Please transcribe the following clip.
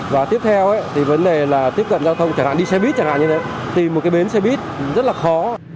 và tiếp theo thì vấn đề là tiếp cận giao thông chẳng hạn đi xe buýt chẳng hạn như thế tìm một cái bến xe bít rất là khó